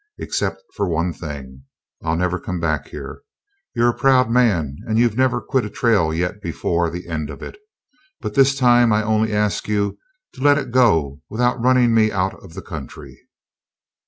Except for one thing, I'll never come back here. You're a proud man; you've never quit a trail yet before the end of it. But this time I only ask you to let it go with running me out of the country."